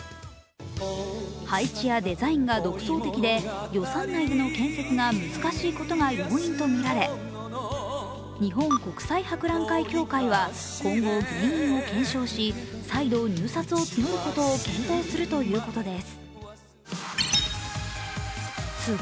配置やデザインが独創的で予算内での建設が難しいことが要因とみられ、日本国際博覧会協会は今後、原因を検証し再度入札を募ることを検討するということです。